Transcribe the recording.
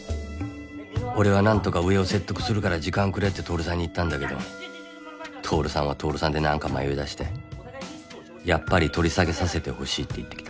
俺は何とか上を説得するから時間くれって亨さんに言ったんだけど亨さんは亨さんで何か迷いだしてやっぱり取り下げさせてほしいって言ってきた。